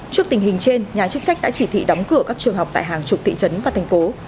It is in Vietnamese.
trước tình hình trên nhà chức trách đã chỉ thị đóng cửa các trường học tại hàng trục thị trấn và thành phố